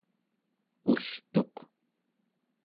ultuq